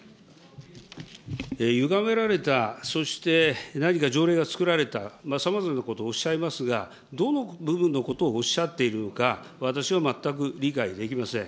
ゆがめられた、そして何か条例がつくられた、さまざまなことおっしゃいますが、どの部分のことをおっしゃっているのか、私は全く理解できません。